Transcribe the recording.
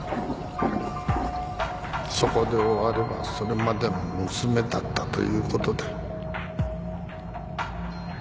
そこで終わればそれまでの娘だったということだ。